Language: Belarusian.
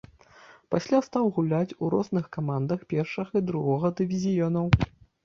Пасля стаў гуляць у розных камандах першага і другога дывізіёнаў.